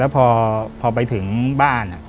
พอไปถึงบ้าน